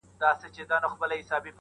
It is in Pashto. چي د ارواوو په نظر کي بند سي~